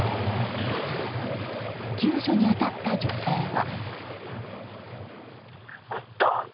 救助に当たった女性は。